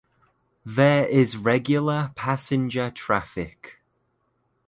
There is regular passenger traffic.